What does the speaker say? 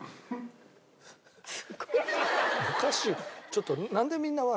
ちょっと。